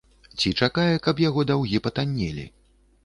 Ці чакае, каб яго даўгі патаннелі.